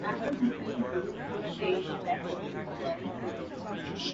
Actors and film crews would stay at that hotel during filming.